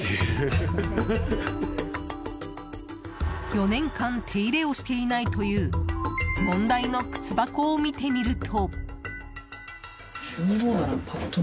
４年間手入れをしていないという問題の靴箱を見てみると。